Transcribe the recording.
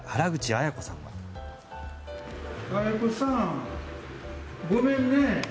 アヤ子さん、ごめんね。